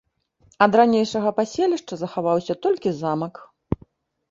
Ад ранейшага паселішча захаваўся толькі замак.